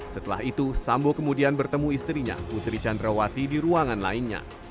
setelah itu sambo kemudian bertemu istrinya putri candrawati di ruangan lainnya